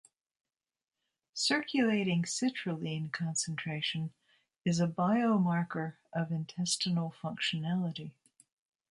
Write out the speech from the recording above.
Circulating citrulline concentration is a biomarker of intestinal functionality.